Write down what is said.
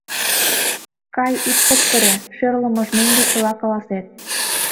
Кай, ит кычкыре, шӧрлымыж мӧҥгӧ чыла каласет.